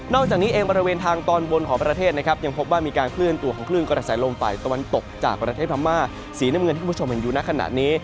จากนี้เองบริเวณทางตอนบนของประเทศนะครับยังพบว่ามีการเคลื่อนตัวของคลื่นกระแสลมฝ่ายตะวันตกจากประเทศพม่าสีน้ำเงินที่คุณผู้ชมเห็นอยู่ในขณะนี้